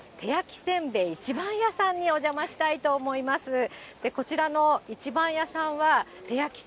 きょうはですね、手焼きせんべい壱番屋さんにお邪魔したいと思います。